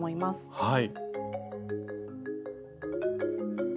はい。